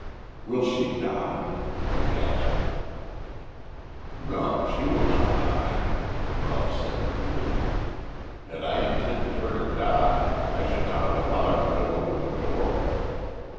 "Will she die?" he gasped. "No, she will not die," Ralph said coolly. "Had I intended her to die I should not have allowed you to open the door.